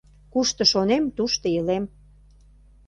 Кушто шонем, тушто илем.